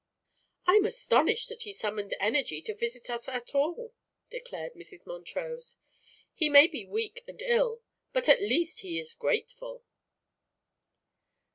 "I'm astonished that he summoned energy to visit us at all," declared Mrs. Montrose. "He may be weak and ill, but at least he is grateful."